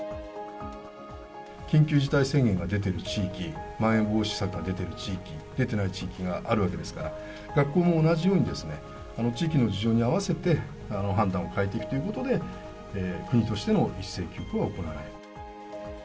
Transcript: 緊急事態宣言が出ている地域、まん延防止策が出ている地域、出ていない地域があるわけですから、学校も同じように、地域の事情に合わせて判断を変えていくということで、国としての一斉休校は行わない。